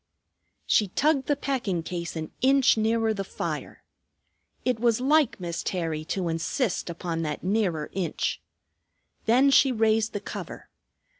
She tugged the packing case an inch nearer the fire. It was like Miss Terry to insist upon that nearer inch. Then she raised the cover.